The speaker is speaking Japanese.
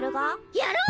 やろう！